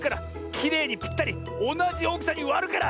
きれいにぴったりおなじおおきさにわるから！